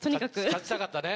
勝ちたかったね。